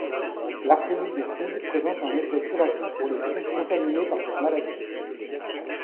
L'arsénite de soude présente un effet curatif pour les souches contaminées par cette maladie.